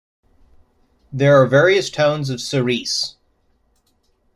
There are various tones of cerise.